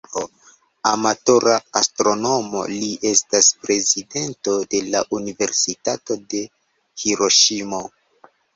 Amatora astronomo, li estas prezidento de la Universitato de Hiroŝimo.